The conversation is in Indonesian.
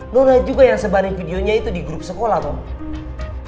luna juga yang sebarin videonya itu di grup sekolah bang